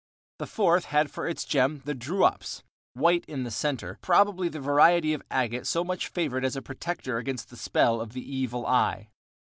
The fourth had for its gem the druops, "white in the centre," probably the variety of agate so much favored as a protector against the spell of the Evil Eye.